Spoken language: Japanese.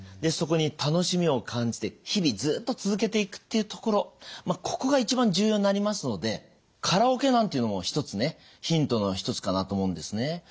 そこに楽しみを感じて日々ずっと続けていくっていうところここが一番重要になりますのでカラオケなんていうのもひとつねヒントの一つかなと思うんですね。